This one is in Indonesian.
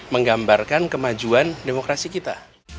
menggambarkan kemajuan demokrasi kita